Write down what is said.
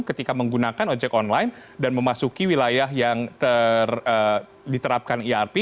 ketika menggunakan ojek online dan memasuki wilayah yang diterapkan irp